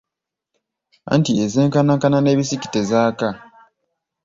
Anti ezenkanankana n’ebisiki tezaaka.